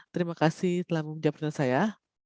terima kasih telah menjawab pertanyaan saya